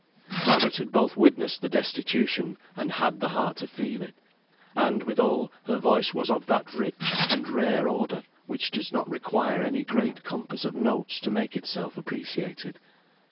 Margaret had both witnessed the destitution, and had the heart to feel it; and withal, her voice was of that rich and rare order, which does not require any great compass of notes to make itself appreciated.